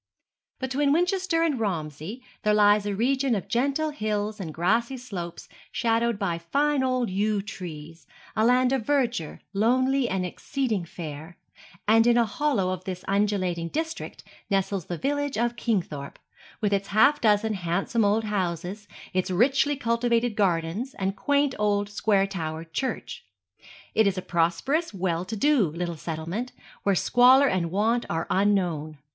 Between Winchester and Romsey there lies a region of gentle hills and grassy slopes shadowed by fine old yew trees, a land of verdure, lonely and exceeding fair; and in a hollow of this undulating district nestles the village of Kingthorpe, with its half dozen handsome old houses, its richly cultivated gardens, and quaint old square towered church. It is a prosperous, well to do little settlement, where squalor and want are unknown.